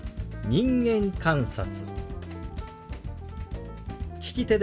「人間観察」。